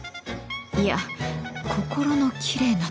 いや心のきれいな。